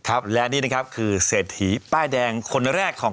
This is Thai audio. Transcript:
ครับและนี่นะครับคือเศรษฐีป้ายแดงคนแรกของ